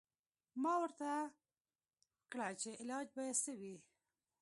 ما ورته کړه چې علاج به څه وي.